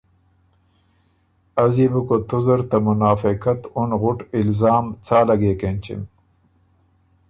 از يې بو کُوتُو زر ته منافقت اُن غُټ الزام څا لګېک اېنچِم؟